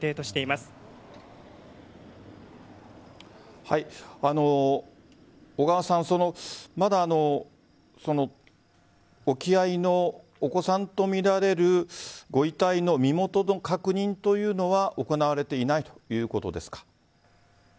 まだ沖合のお子さんとみられるご遺体の身元の確認というのは行われていないということですか？